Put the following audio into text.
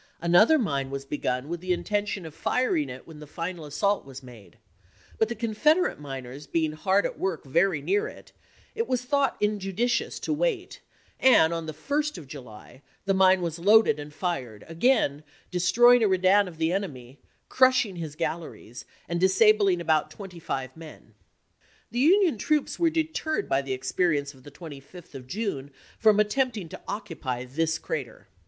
Another mine was begun with the intention of firing it when the final assault was made, but the Confederate miners being hard at work very near it, it was thought injudicious to 1863. wait and, on the 1st of July, the mine was loaded En m r an(^ nre(^ agam destroying a redan of the enemy, cm™etockd crusnmg his galleries, and disabling about twenty RwPRrL nve men The Union troops were deterred by the vpartnl" experience of the 25th of June from attempting to occupy this crater.